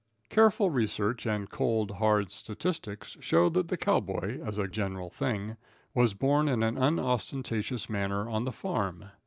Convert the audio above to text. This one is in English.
Careful research and cold, hard statistics show that the cow boy, as a general thing, was born in an unostentatious manner on the farm.